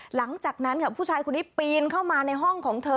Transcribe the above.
หลังจากนั้นค่ะผู้ชายคนนี้ปีนเข้ามาในห้องของเธอ